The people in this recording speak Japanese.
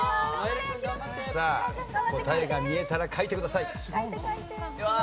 さあ答えが見えたら書いてください。